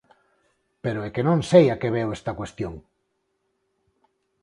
Pero é que non sei a que veu esta cuestión.